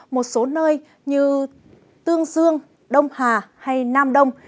một số nơi như tương dương đông hà hay nam đông